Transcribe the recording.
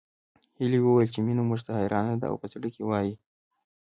هيلې وويل چې مينه موږ ته حيرانه ده او په زړه کې وايي